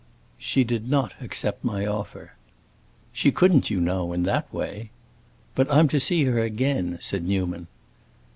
"She did not accept my offer." "She couldn't, you know, in that way." "But I'm to see her again," said Newman.